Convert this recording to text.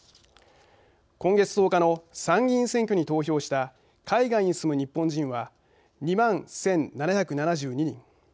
今月１０日の参議院選挙に投票した海外に住む日本人は２万１７７２人。